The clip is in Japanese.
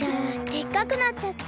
でっかくなっちゃった。